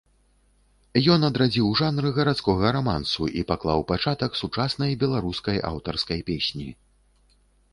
Ён адрадзіў жанр гарадскога рамансу і паклаў пачатак сучаснай беларускай аўтарскай песні.